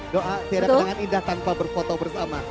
doa tidak dengan indah tanpa berfoto bersama